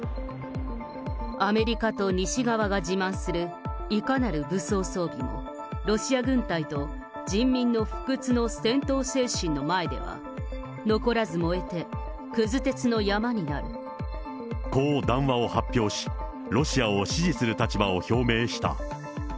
アメリカと西側が自慢するいかなる武装装備も、ロシア軍隊と人民の不屈の戦闘精神の前では、残らず燃えて、こう談話を発表し、ロシアを支持する立場を表明した。